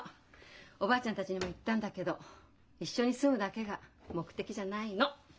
おばあちゃんたちにも言ったんだけど一緒に住むだけが目的じゃないの。